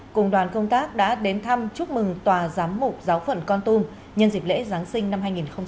cùng đoàn công tác đã đến thăm chúc mừng tòa giám mục giáo phận con tum nhân dịp lễ giáng sinh năm hai nghìn hai mươi